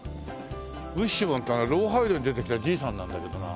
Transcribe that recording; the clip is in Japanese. ウイッシュボンって『ローハイド』に出てきたじいさんなんだけどな。